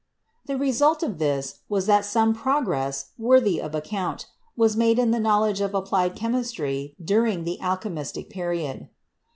The result of this was that some progress, worthy of account, was made in the knowledge of applied chemistry during the alchemistic period.